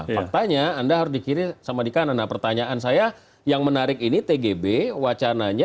faktanya anda harus dikirim sama di kanan nah pertanyaan saya yang menarik ini tgb wacananya